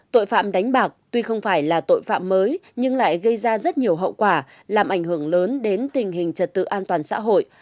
tội phạm đánh bạc tuy không phải là tội phạm mới nhưng lại gây ra rất nhiều hậu quả làm ảnh hưởng lớn đến tình hình trật tự an toàn xã hội